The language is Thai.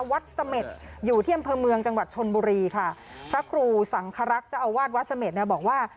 สเม็ดอยู่ที่อำเภอเมืองจังหวัดชนบุรีค่ะพระครูสังครักษ์เจ้าอาวาสวัดเสม็ดเนี่ยบอกว่า